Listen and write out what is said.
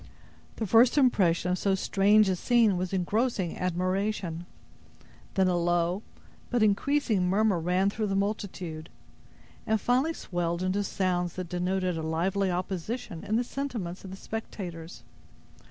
The first impression of so strange a scene was engrossing admiration. Then a low, but increasing murmur, ran through the multitude, and finally swelled into sounds that denoted a lively opposition in the sentiments of the spectators.